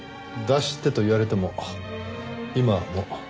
出してと言われても今はもう。